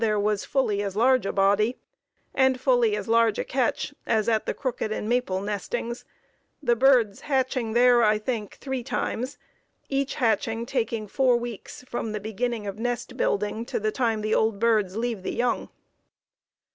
there was fully as large a body, and fully as large a catch as at the Crooked and Maple nestings, the birds hatching there, I think, three times, each hatching taking four weeks, from the beginning of nest building to the time the old birds leave the young.